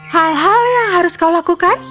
hal hal yang harus kau lakukan